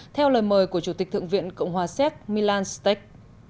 theo lời mời của chủ tịch thượng viện cộng hòa xéc milan stech